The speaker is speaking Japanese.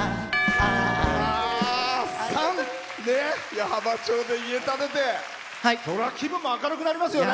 矢巾町で家建ててそりゃ気分も明るくなりますよね。